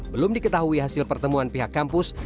belum diketahui hasil pertemuan pihak kampus